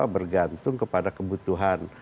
bergantung kepada kebutuhan